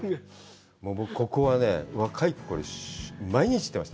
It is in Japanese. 僕、ここはね、若いころ毎日、行ってました。